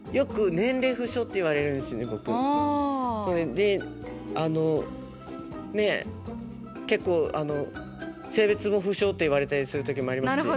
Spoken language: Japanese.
であのねっ結構あの性別も不詳って言われたりする時もありますし。